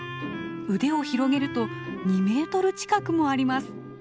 腕を広げると２メートル近くもあります。